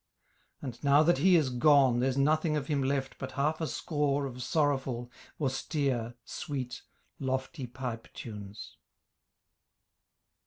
And now that he is gone There's nothing of him left but half a score Of sorrowful, austere, sweet, lofty pipe tunes.